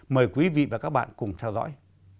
mời quý vị và các bạn cùng theo dõi